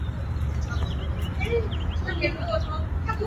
嫌疑犯法令使政治恐怖的残酷陡升到更高的层级。